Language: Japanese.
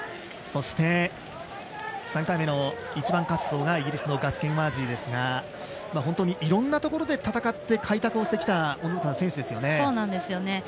そして、３回目の１番滑走がイギリスのガス・ケンワージーですが本当にいろんなところで戦って開拓してきた選手ですよね。